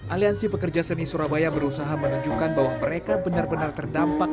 aliansi pekerja seni surabaya berusaha menunjukkan bahwa mereka benar benar terdampak